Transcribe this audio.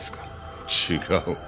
違う。